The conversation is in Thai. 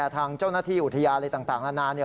ทางเจ้าหน้าที่อุทยาอะไรต่างละนานา